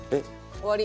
終わり。